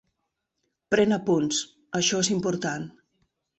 Pren apunts; això és important.